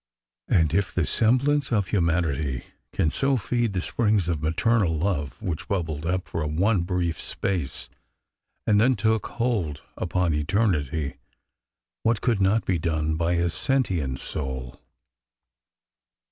'' And if the semblance of humanity can so feed the springs of maternal love which bubbled up for one brief space and thus took hold upon eternity, what could not be done by a sentient soul?